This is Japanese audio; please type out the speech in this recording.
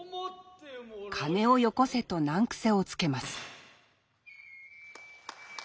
金をよこせと難癖をつけます。